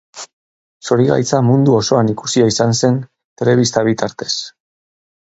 Zorigaitza mundu osoan ikusia izan zen telebista bitartez.